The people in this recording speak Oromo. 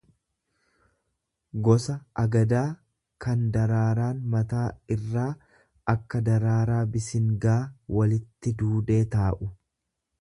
gosa agadaa kan daraaraan mataa irraa akka daraaraa bisingaa walitti duudee taa'u.